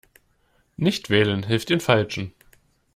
Nichtwählen hilft den Falschen.